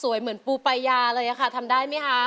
สวยเหมือนปูปายาเลยอะค่ะทำได้มั้ยคะ